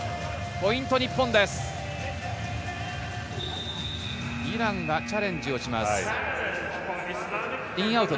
ポイント